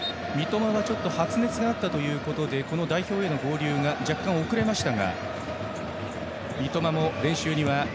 三笘は発熱があったということで代表への合流が若干遅れました。